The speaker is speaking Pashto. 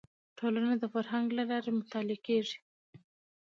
ټولنه د فرهنګ له لارې مطالعه کیږي